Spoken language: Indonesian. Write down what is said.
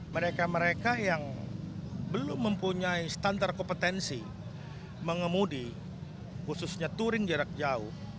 mereka mereka yang belum mempunyai standar kompetensi mengemudi khususnya touring jarak jauh